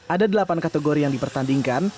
ada delapan kategori yang dipertandingkan